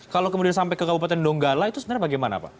kalau kemudian sampai ke kabupaten donggala itu sebenarnya bagaimana pak